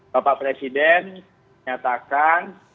bapak presiden nyatakan